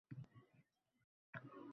Unga Umida deb ism qo`ydi